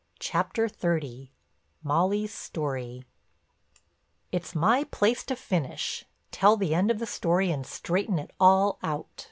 CHAPTER XXX—MOLLY'S STORY It's my place to finish, tell the end of the story and straighten it all out.